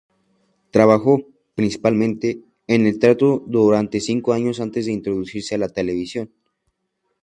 Trabajó, principalmente, en el teatro durante cinco años antes de introducirse a la televisión.